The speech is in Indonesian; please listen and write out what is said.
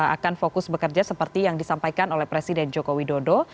akan fokus bekerja seperti yang disampaikan oleh presiden joko widodo